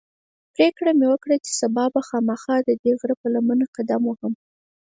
پرېکړه مې وکړه چې سبا به خامخا ددې غره پر لمنه قدم وهم.